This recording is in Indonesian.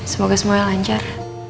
semoga semuanya lancar